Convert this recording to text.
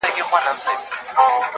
هسي نه هغه باور,